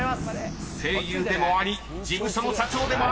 ［声優でもあり事務所の社長でもある浪川さん］